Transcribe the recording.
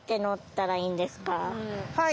はい。